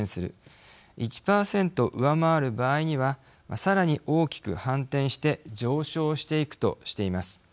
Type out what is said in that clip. １％上回る場合にはさらに大きく反転して上昇していくとしています。